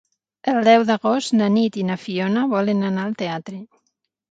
El deu d'agost na Nit i na Fiona volen anar al teatre.